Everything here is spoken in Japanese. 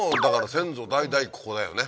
先祖代々ここだよね